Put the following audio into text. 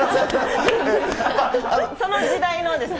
その時代のですね。